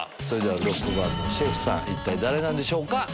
それでは６番のシェフさん一体誰なんでしょうか？